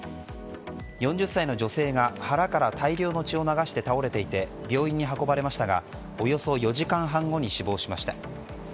４０歳の女性が腹から大量の血を流して倒れていて病院に運ばれましたがおよそ４時間半後に死亡しました。